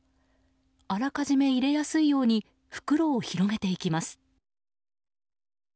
あらかじめ入れやすいように袋を広げていきます。